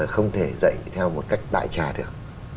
không thể dạy theo một cách đại trà được